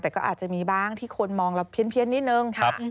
แต่ก็อาจจะมีบ้างที่คนมองเราเพี้ยนนิดนึง